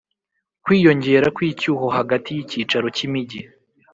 kwiyongera kw'icyuho hagati y'icyaro n'imijyi.